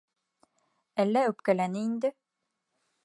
Әллә үпкәләне инде.